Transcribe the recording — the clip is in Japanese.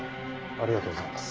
ありがとうございます。